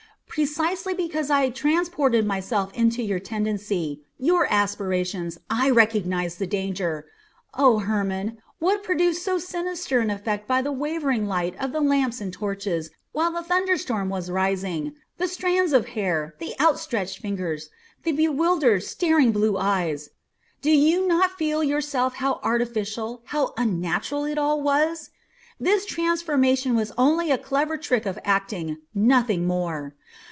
"Precisely because I transported myself into your tendency, your aspirations, I recognised the danger. O Hermon! what produced so sinister an effect by the wavering light of the lamps and torches, while the thunderstorm was rising the strands of hair, the outspread fingers, the bewildered, staring blue eyes do you not feel yourself how artificial, how unnatural it all was? This transformation was only a clever trick of acting, nothing more.